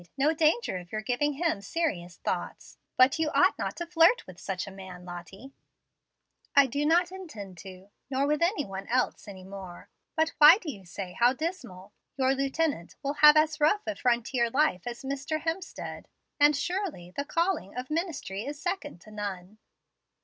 no danger of your giving him serious thoughts. But you ought not to flirt with such a man, Lottie." "I do not intend to, nor with any one else, any more. But why do you say 'How dismal'? Your lieutenant will have as rough a frontier life as Mr. Hemstead, and, surely, the calling of the ministry is second to none."